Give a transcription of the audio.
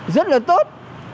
rất là tốt